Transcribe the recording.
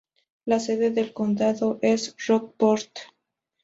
La sede de condado es Rockport.